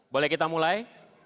boleh kita mulai